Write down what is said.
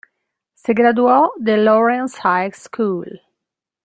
Se graduó de Lawrence High School.